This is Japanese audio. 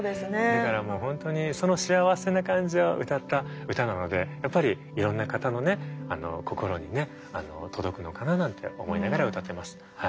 だからもう本当にその幸せな感じを歌った歌なのでやっぱりいろんな方のね心にね届くのかななんて思いながら歌ってます。